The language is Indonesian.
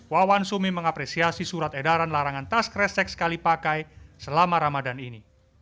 wawan sumi mengapresiasi surat edaran larangan tas kresek sekali pakai selama ramadan ini